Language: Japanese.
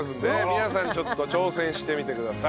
皆さんちょっと挑戦してみてください。